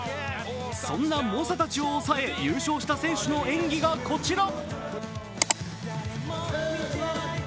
そんな猛者たちを抑え優勝した選手の演技がこちら。